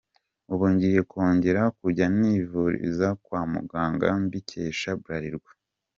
Ubu ngiye kongera kujya nivuriza kwa muganga mbikesha Bralirwa.